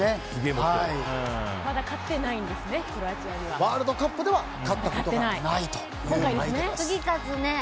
ワールドカップでは勝ったことがないという相手です。